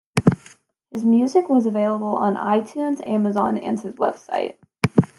His music is available on iTunes, Amazon, and his web site.